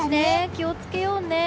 気をつけようね。